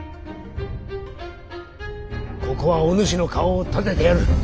ここはおぬしの顔を立ててやる。